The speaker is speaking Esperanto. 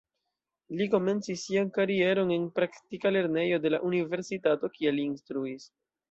Li komencis sian karieron en praktika lernejo de la universitato, kie li instruis.